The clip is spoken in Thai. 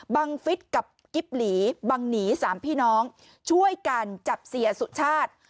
บังฟิศกับกิ๊บหลีบังหนีสามพี่น้องช่วยกันจับเสียสุชาติ